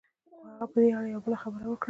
خو هغه په دې اړه يوه بله خبره وکړه.